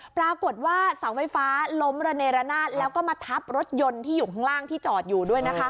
ปรากฏว่าเสาไฟฟ้าล้มระเนรนาศแล้วก็มาทับรถยนต์ที่อยู่ข้างล่างที่จอดอยู่ด้วยนะคะ